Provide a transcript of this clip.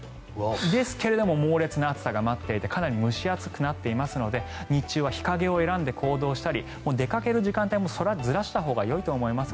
ですが、猛烈な暑さが待っていてかなり蒸し暑くなっていますので日中は日陰を選んで行動したり出かける時間もずらしたほうがいいと思います。